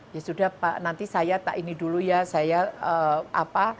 ya sudah pak nanti saya tak ini dulu ya saya apa